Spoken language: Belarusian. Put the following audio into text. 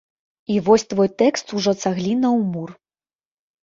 І вось твой тэкст ужо цагліна ў мур.